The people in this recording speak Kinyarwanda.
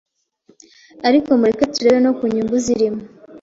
Ariko mureke turebe no ku nyungu zirimo